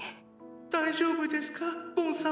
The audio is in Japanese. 大丈夫ですかボン様。